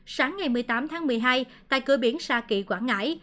sáng ngày một mươi tám tháng một mươi hai tại cửa biển sa kỳ quảng ngãi